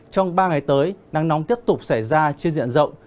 trong ba ngày tới nắng nóng tiếp tục xảy ra trên diện rộng